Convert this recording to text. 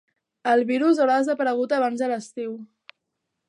El virus haurà desaparegut abans de l'estiu.